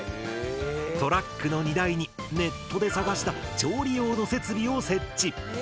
トラックの荷台にネットで探した調理用の設備を設置。